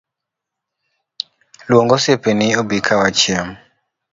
Luong osiepeni obika wachiem.